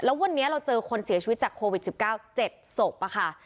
แล้ววันนี้เราเจอคนเสียชีวิตจากโควิด๑๙๗ศพค่ะ